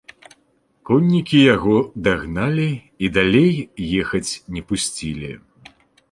Коннікі яго дагналі і далей ехаць не пусцілі.